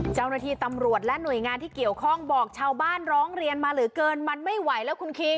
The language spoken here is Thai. เจ้าหน้าที่ตำรวจและหน่วยงานที่เกี่ยวข้องบอกชาวบ้านร้องเรียนมาเหลือเกินมันไม่ไหวแล้วคุณคิง